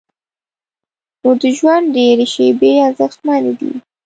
نو د ژوند ډېرې شیبې ارزښتمنې دي.